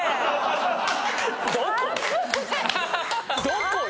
どこよ。